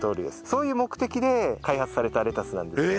そういう目的で開発されたレタスなんです。